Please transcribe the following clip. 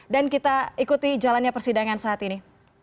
dan kita ikuti jalannya persidangan saat ini